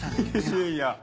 いやいや。